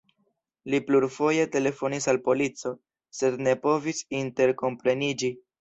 Li plurfoje telefonis al polico, sed ne povis interkompreniĝi.